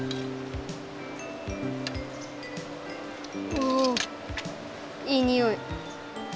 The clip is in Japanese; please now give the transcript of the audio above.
おおいいにおい。